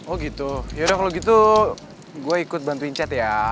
oh gitu yaudah kalau gitu gue ikut bantuin chat ya